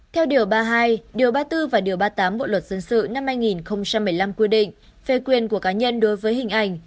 theo điều ba mươi hai điều ba mươi bốn và điều ba mươi tám bộ luật dân sự năm hai nghìn một mươi năm quy định phê quyền của cá nhân đối với hình ảnh